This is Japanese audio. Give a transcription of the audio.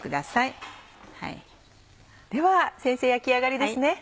では先生焼き上がりですね。